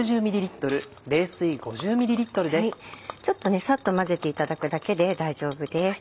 ちょっとねサッと混ぜていただくだけで大丈夫です。